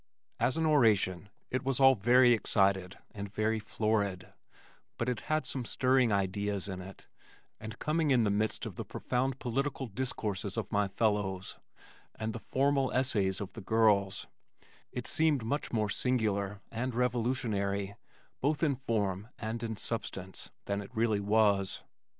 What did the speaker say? As an oration it was all very excited and very florid, but it had some stirring ideas in it and coming in the midst of the profound political discourses of my fellows and the formal essays of the girls, it seemed much more singular and revolutionary, both in form and in substance, than it really was.